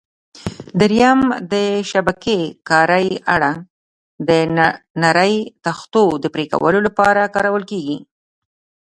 درېیم: د شبکې کارۍ اره: د نرۍ تختو پرېکولو لپاره کارول کېږي.